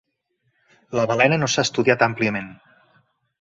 La balena no s'ha estudiat àmpliament.